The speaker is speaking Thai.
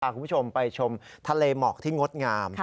คุณผู้ชมไปชมทะเลหมอกที่งดงาม